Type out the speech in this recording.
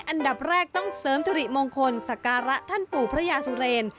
อันดับแรกต้องเสริมสิริมงคลสักการะท่านปู่พระยาสุเรน